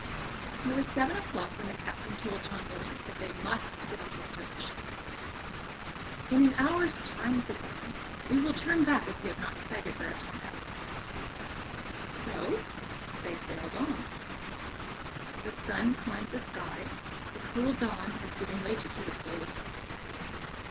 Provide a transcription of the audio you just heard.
It was seven o'clock when the captain told John Williams that they must give up the search. "In an hour's time," said Williams, "we will turn back if we have not sighted Rarotonga." So they sailed on. The sun climbed the sky, the cool dawn was giving way to the heat of day.